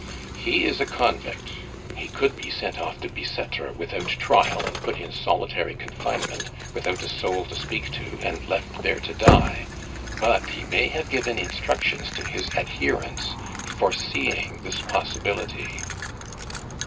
"He is a convict. He could be sent off to Bicetre without trial, and put in solitary confinement, without a soul to speak to, and left there to die. But he may have given instructions to his adherents, foreseeing this possibility."